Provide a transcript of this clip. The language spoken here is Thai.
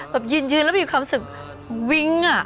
ยืนยืนแล้วมีความสุขวิ้งอ่ะ